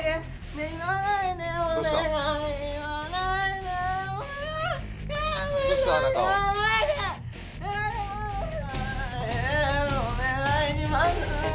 ねえお願いします。